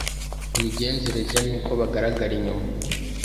imigenzereze n’uko bagaragara inyuma